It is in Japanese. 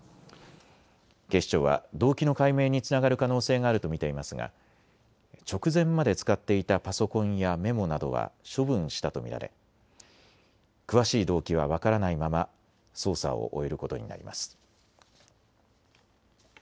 警視庁は動機の解明につながる可能性があると見ていますが直前まで使っていたパソコンやメモなどは処分したと見られ詳しい動機は分からないまま捜査を終えることになります。